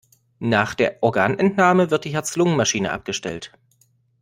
Nach der Organentnahme wird die Herz-Lungen-Maschine abgestellt.